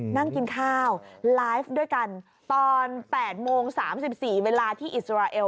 นั่งกินข้าวไลฟ์ด้วยกันตอน๘โมง๓๔เวลาที่อิสราเอล